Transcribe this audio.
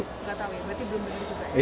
nggak tahu ya berarti belum benar juga ya